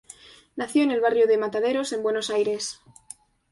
Nació en el barrio de Mataderos en Buenos Aires.